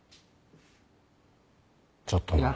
ちょっとな。